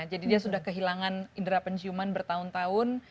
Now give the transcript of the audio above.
jadi dia sudah kehilangan indra penciuman bertahun tahun